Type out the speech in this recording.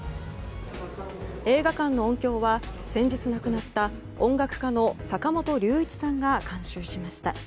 映画館の音響は先日亡くなった音楽家の坂本龍一さんが監修しました。